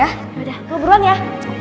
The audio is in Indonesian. yaudah ngobrolan ya